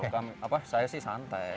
kalau saya sih santai